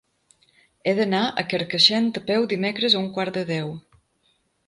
He d'anar a Carcaixent a peu dimecres a un quart de deu.